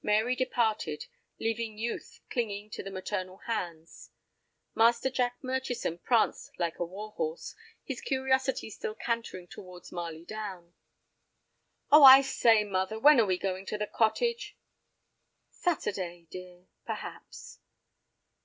Mary departed, leaving youth clinging to the maternal hands. Master Jack Murchison pranced like a war horse, his curiosity still cantering towards Marley Down. "Oh, I say, mother, when are we going to the cottage?" "Saturday, dear, perhaps."